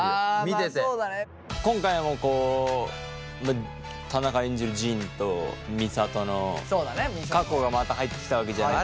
今回も田中演じる仁と美里の過去がまた入ってきたわけじゃない。